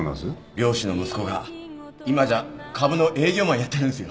漁師の息子が今じゃ株の営業マンやってるんですよ。